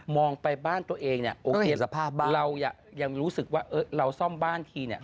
องไปบ้านตัวเองเนี่ยโอเคสภาพบ้านเรายังรู้สึกว่าเราซ่อมบ้านทีเนี่ย